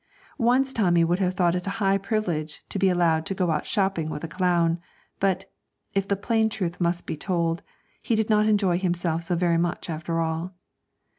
Once Tommy would have thought it a high privilege to be allowed to go out shopping with a clown; but, if the plain truth must be told, he did not enjoy himself so very much after all.